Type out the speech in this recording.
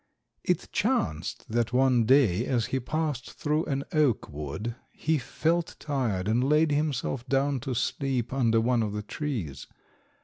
It chanced that one day, as he passed through an oak wood, he felt tired, and laid himself down to sleep under one of the trees.